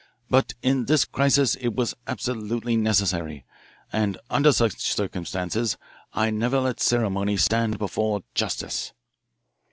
But in this crisis it was absolutely necessary, and under such circumstances I never let ceremony stand before justice.